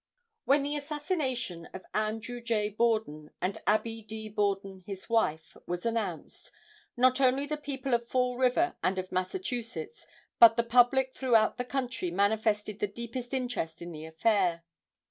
When the assassination of Andrew J. Borden and Abbie D. Borden, his wife, was announced, not only the people of Fall River and of Massachusetts, but the public throughout the country manifested the deepest interest in the affair.